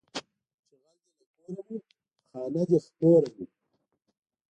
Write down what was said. چې غل دې له کوره وي، خانه دې خپوره وي